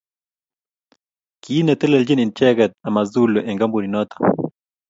Kinetelechin icheget Amazulu eng kampuninoto